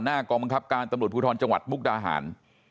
กองบังคับการตำรวจภูทรจังหวัดมุกดาหาร